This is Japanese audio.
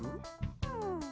うん。